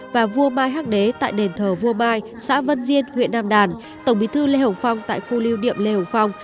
và vua mai hác đế tại đền thờ vua mai xã vân diên huyện nam đàn tổng bí thư lê hồng phong tại khu liêu điệm lê hồng phong